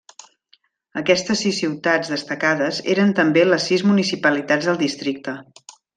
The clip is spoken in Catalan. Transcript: Aquestes sis ciutats destacades eren també les sis municipalitats del districte.